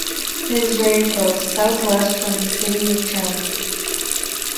It is very close, South-West from the city of Tremp.